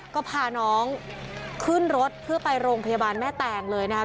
ก็พาน้องขึ้นรถเพื่อไปโรงพยาบาลแม่แตงเลยนะครับ